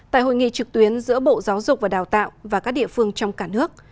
tại hội nghị trực tuyến giữa bộ giáo dục và đào tạo và các địa phương trong cả nước